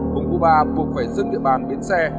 hùng cuba buộc phải dân địa bàn đến xe